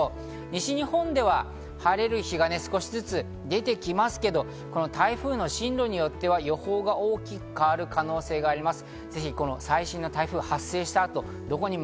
西日本では晴れる日が少しずつ出てきますけど、台風の進路によっては予報が大きく変わる可能性があります。